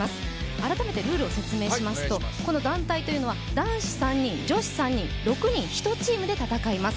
改めてルールを説明しますとこの団体というのは、男子３人女子３人、６人１チームで戦います。